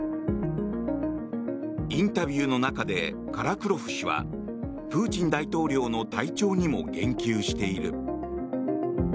インタビューの中でカラクロフ氏はプーチン大統領の体調にも言及している。